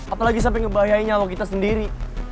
apalagi sampai ngebahayainya allah kita sendiri